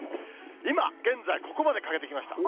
今現在、ここまで欠けてきました。